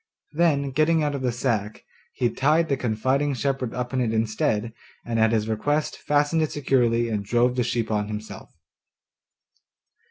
Then getting out of the sack, he tied the confiding shepherd up in it instead, and at his request fastened it securely and drove the sheep on himself.